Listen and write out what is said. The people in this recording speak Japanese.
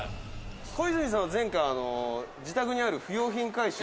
「小泉さんは前回自宅にある不要品回収